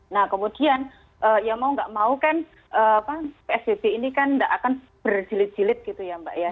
nah kemudian ya mau nggak mau kan psbb ini kan tidak akan berjilid jilid gitu ya mbak ya